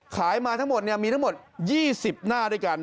ขายมาทั้งหมดเนี่ยมีทั้งหมด๒๐หน้าด้วยกัน